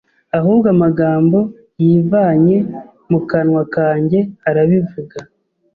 ahubwo amagambo yivanye mu kanwa kanjye arabivuga,